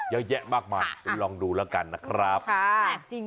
เยอะแยะมากมายไปลองดูแล้วกันนะครับแปลกจริง